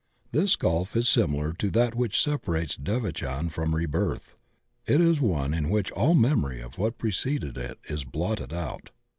This gulf is similar to that which separates devachan from rebirth; it is one in which all memory of what preceded it is blotted out.